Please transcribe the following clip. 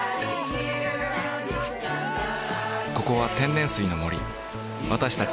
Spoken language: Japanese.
ここは天然水の森私たち